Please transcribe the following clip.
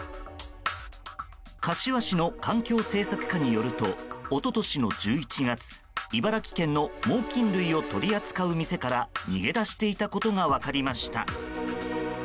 柏市の環境政策課によると一昨年の１１月茨城県の猛禽類を取り扱う店から逃げ出していたことが分かりました。